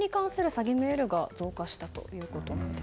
詐欺メールも増えているということです。